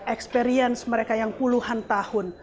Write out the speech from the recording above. experience mereka yang puluhan tahun